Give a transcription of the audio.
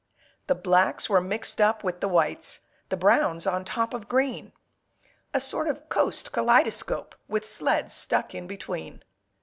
The Blacks were mixed up with the Whites, The Browns on top of Green, A sort of coast kaleidoscope, With sleds stuck in between.